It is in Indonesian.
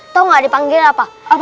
tau gak dipanggil apa